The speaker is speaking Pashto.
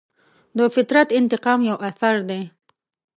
د فطرت انتقام یو اثر دی.